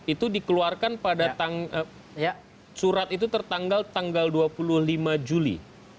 itu dikeluarkan pada surat itu tertanggal tanggal dua puluh lima juli